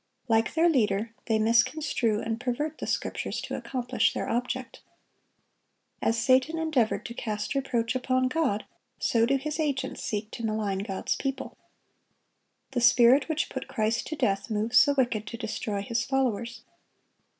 Like their leader, they misconstrue and pervert the Scriptures to accomplish their object. As Satan endeavored to cast reproach upon God, so do his agents seek to malign God's people. The spirit which put Christ to death moves the wicked to destroy His followers.